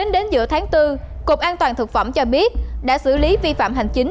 đến giữa tháng bốn cục an toàn thực phẩm cho biết đã xử lý vi phạm hành chính